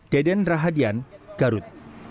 deden rahadian garut